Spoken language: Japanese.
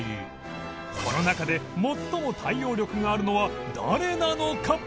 この中で最も対応力があるのは誰なのか？